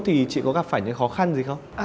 thì chị có gặp phải những khó khăn gì không